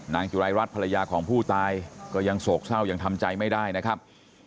จุรายรัฐภรรยาของผู้ตายก็ยังโศกเศร้ายังทำใจไม่ได้นะครับ